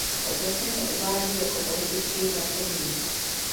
Profesně se uvádí jako politický pracovník.